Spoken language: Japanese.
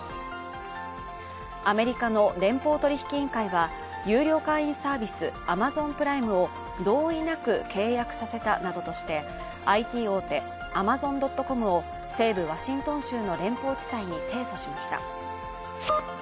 アメリカの連邦取引委員会は有料会員サービスアマゾンプライムを同意なく契約させたなどとしてＩＴ大手アマゾン・ドット・コムを西部ワシントン州の連邦地裁に提訴しました。